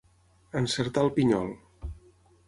Encertar el pinyol.